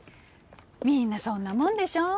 みんなそんなもんでしょ。